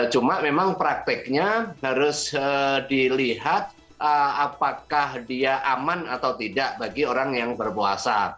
cuma memang prakteknya harus dilihat apakah dia aman atau tidak bagi orang yang berpuasa